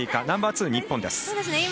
ナンバーツー、日本です。